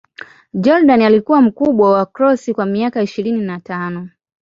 Jordan alikuwa mkubwa wa Cross kwa miaka ishirini na tano.